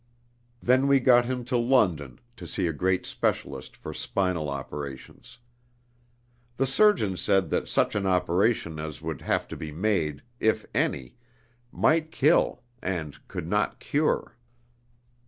Then we got him to London, to see a great specialist for spinal operations. The surgeon said that such an operation as would have to be made if any might kill, and could not cure.